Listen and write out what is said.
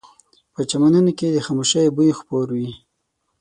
په چمنونو کې د خاموشۍ بوی خپور وي